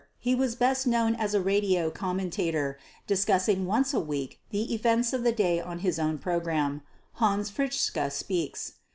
He was best known as a radio commentator, discussing once a week the events of the day on his own program, "Hans Fritzsche Speaks."